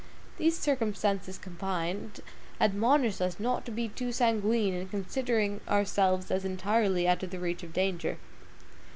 These circumstances combined, admonish us not to be too sanguine in considering ourselves as entirely out of the reach of danger.